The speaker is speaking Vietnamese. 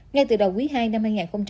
ngay từ đầu quý ii năm hai nghìn hai mươi